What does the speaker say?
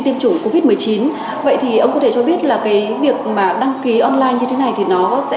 tiêm chủng covid một mươi chín vậy thì ông có thể cho biết là cái việc mà đăng ký online như thế này thì nó sẽ